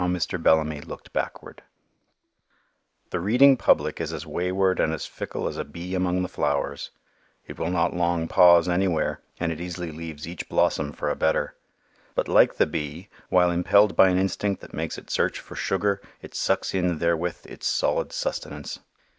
How Mr. Bellamy Looked Backward_ THE reading public is as wayward and as fickle as a bee among the flowers. It will not long pause anywhere, and it easily leaves each blossom for a better. But like the bee, while impelled by an instinct that makes it search for sugar, it sucks in therewith its solid sustenance.